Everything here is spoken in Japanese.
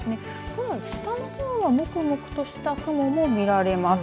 ただ、下の方はもくもくとした雲も見られます。